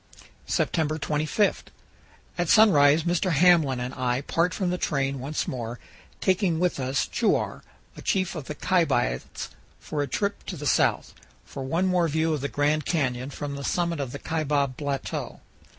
September 25. At sunrise Mr. Hamblin and I part from the train once more, taking with us Chuar, a chief of the Kaibabits, for a trip to the south, for one more view of the Grand Canyon from the summit of the Kaibab Plateau.